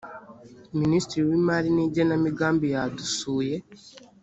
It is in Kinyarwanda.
ministiri w’imari n’igenamigambi yadusuye